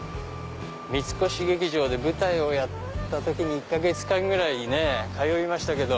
三越劇場で舞台をやった時に１か月間ぐらい通いましたけど。